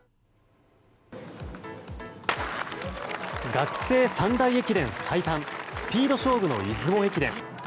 学生三大駅伝最短スピード勝負の出雲駅伝。